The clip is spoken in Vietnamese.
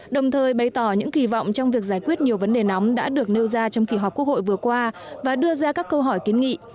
đồng thời bày tỏ những kỳ vọng trong việc giải quyết nhiều vấn đề nóng đã được nêu ra trong kỳ họp quốc hội vừa qua và đưa ra các câu hỏi kiến nghị